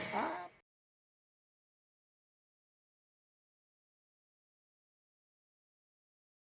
ke circlesan jawa barat ini juga terlemah itu